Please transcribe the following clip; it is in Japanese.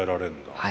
はい。